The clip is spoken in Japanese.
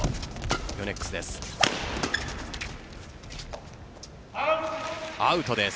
ヨネックスです。